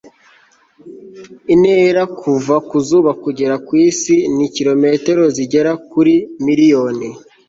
intera kuva ku zuba kugera ku isi ni kilometero zigera kuri miliyoni